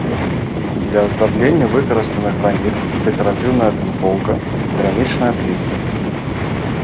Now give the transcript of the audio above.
Для аздаблення выкарыстаны граніт, дэкаратыўная тынкоўка, керамічная плітка.